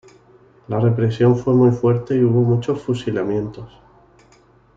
La represión fue muy fuerte y hubo muchos fusilamientos.